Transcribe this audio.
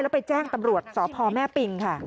แล้วไปแจ้งตำรวจสพแม่ปิงค่ะ